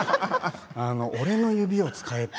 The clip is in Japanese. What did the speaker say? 俺の指を使えって。